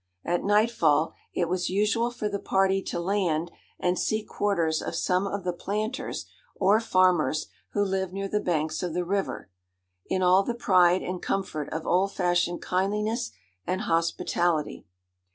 At nightfall, it was usual for the party to land and seek quarters of some of the planters, or farmers, who lived near the banks of the river, in all the pride and comfort of old fashioned kindliness and hospitality.